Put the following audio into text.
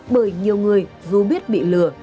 bởi nhiều người dù biết bị lừa